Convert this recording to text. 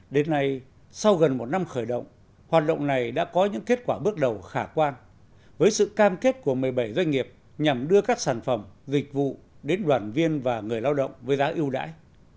đến nay sau gần một năm khởi động hoạt động này đã có những kết quả bước đầu khả quan với sự cam kết của một mươi bảy doanh nghiệp nhằm đưa các sản phẩm dịch vụ đến đoàn viên và người lao động với giá ưu đãi